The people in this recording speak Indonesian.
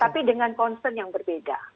tapi dengan concern yang berbeda